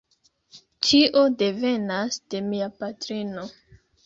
Tio devenas de mia patrino.